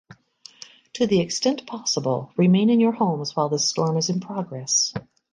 To the extent possible, remain in your homes while this storm is in progress.